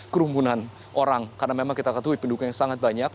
kerumunan orang karena memang kita ketahui pendukungnya sangat banyak